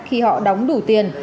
khi họ đóng đủ tiền